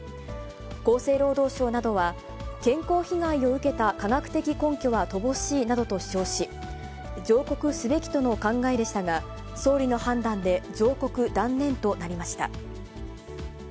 厚生労働省などは、健康被害を受けた科学的根拠は乏しいなどと主張し、上告すべきとの考えでしたが、総理の判断で上告断念となりました。